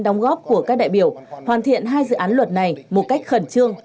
đóng góp của các đại biểu hoàn thiện hai dự án luật này một cách khẩn trương